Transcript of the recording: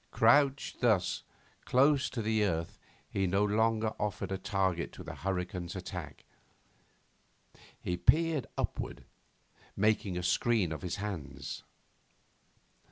Crouched thus close to the earth he no longer offered a target to the hurricane's attack. He peered upwards, making a screen of his hands.